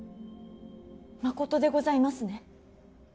まことでございますね。